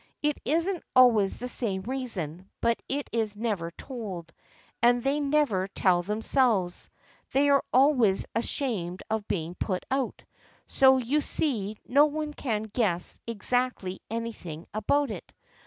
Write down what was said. It isn't always the same reason, but it is never told, and they never tell themselves, they are always ashamed of being put out, so you see no one can guess exactly anything about it.